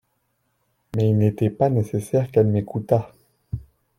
Mais il n'était pas nécessaire qu'elle m'écoutat.